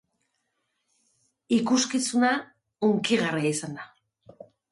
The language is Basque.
Ikuskizuna hunkigarria izan da.